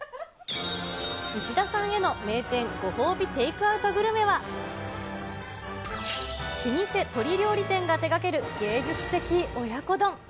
石田さんへの名店ご褒美テイクアウトグルメは老舗鶏料理店が手がける芸術的親子丼。